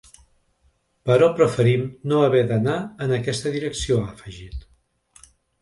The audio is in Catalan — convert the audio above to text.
Però preferim no haver d’anar en aquesta direcció, ha afegit.